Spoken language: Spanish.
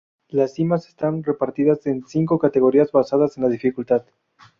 Las cimas están repartidas en cinco categorías basadas en la dificultad.